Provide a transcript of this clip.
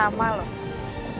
bang pada hal rantais